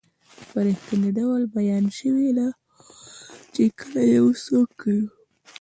په رښتني ډول بیان شوي دي چې کله یو څوک کوم